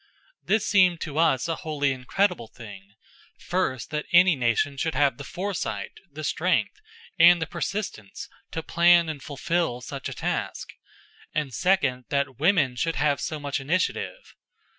This seemed to us a wholly incredible thing: first, that any nation should have the foresight, the strength, and the persistence to plan and fulfill such a task; and second, that women should have had so much initiative.